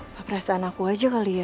wah perasaan aku aja kali ya